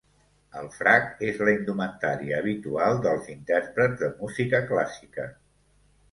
El frac és la indumentària habitual dels intèrprets de música clàssica.